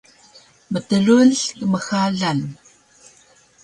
mtrul kmxalan